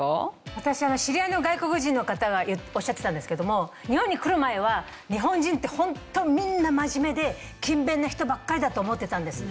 私知り合いの外国人の方がおっしゃってたんですけども日本に来る前は日本人ってホントみんな真面目で勤勉な人ばっかりだと思ってたんですって。